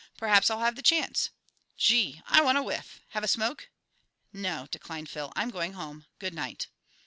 Perhaps I'll have the chance. Gee! I want a whiff. Have a smoke?" "No," declined Phil. "I'm going home. Good night."